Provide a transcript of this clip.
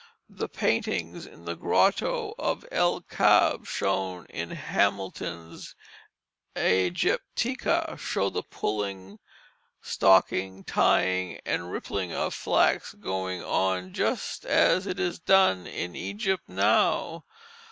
The paintings in the Grotto of El Kab, shown in Hamilton's Ægyptica, show the pulling, stocking, tying, and rippling of flax going on just as it is done in Egypt now.